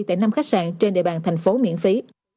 tại năm khách sạn trên địa bàn thành phố miễn phí